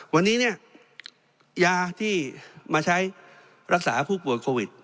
วันนี้เนี่ยยาที่มาใช้รักษาผู้ป่วยโควิด